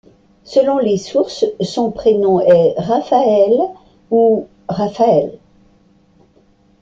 Selon les sources son prénom est Raphaëlle ou Raphaële.